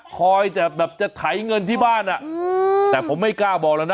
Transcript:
คอยแต่แบบจะไถเงินที่บ้านอ่ะแต่ผมไม่กล้าบอกแล้วนะ